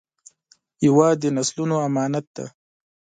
هېواد د نسلونو امانت دی